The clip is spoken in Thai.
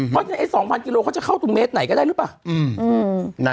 เพราะฉะนั้นไอ้๒๐๐กิโลเขาจะเข้าตรงเมตรไหนก็ได้หรือเปล่า